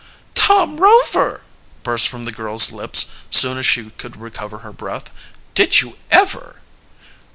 "Tom Rover!" burst from the girl's lips soon as she could recover her breath. "Did you ever!"